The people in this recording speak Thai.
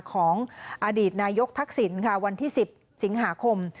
ของอดีตนายกทักษิณค่ะวันที่๑๐สิงหาคม